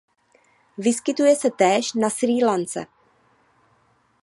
Vyskytuje se též na Srí Lance.